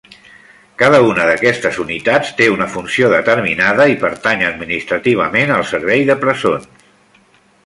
Cada una d'aquestes unitats té una funció determinada i pertany administrativament al servei de presons.